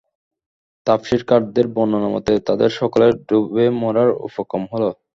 তাফসীরকারদের বর্ণনা মতে, তাদের সকলের ডুবে মরার উপক্রম হল।